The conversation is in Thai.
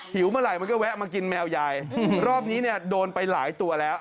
เมื่อไหร่มันก็แวะมากินแมวยายรอบนี้เนี่ยโดนไปหลายตัวแล้ว